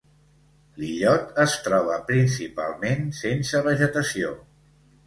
L'illot es troba principalment sense vegetació.